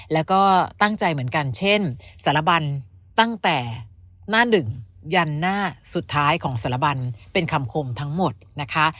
แล้วก็ตั้งใจเหมือนกันเช่นสารบันตั้งแต่หน้าหนึ่งยันหน้าสุดท้ายของสารบันเป็นคำคมทั้งหมดนะคะ